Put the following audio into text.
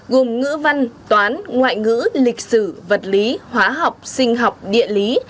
gồm ngữ văn toán ngoại ngữ lịch sử vật lý hóa học sinh học địa lý